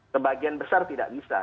sebagian besar tidak bisa